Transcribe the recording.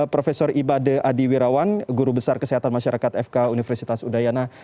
profesor iba de adi wirawan guru besar kesehatan masyarakat fk universitas udayana